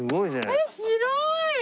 えっ広ーい！